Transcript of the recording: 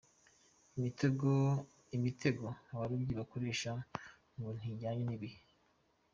Imitego abarobyi bakoresha ngo ntijyanye n’igihe.